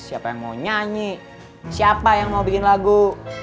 siapa yang mau nyanyi siapa yang mau bikin lagu